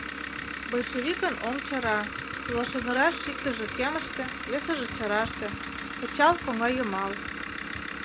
Большевикын оҥ чара, йолашэҥыраш иктыже кемыште, весыже чараште, пычал — коҥлайымал.